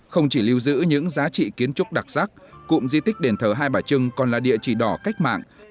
không chỉ lưu giữ những giá trị kiến trúc đặc sắc cụm di tích đền thờ hai bà trưng còn là địa chỉ đỏ cách mạng